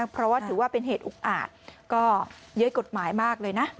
เพราะว่าถือว่าเป็นเหตุอุกอาจก็เย้ยกฎหมายมากเลยนะ